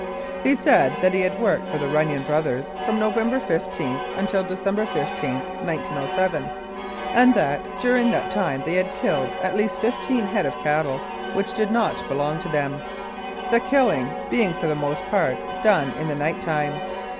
He said that he had worked for the Runnion Brothers from November 15 until December 15, 1907, and that during that time they had killed at least fifteen head of cattle which did not belong to them, the killing being for the most part done in the night time.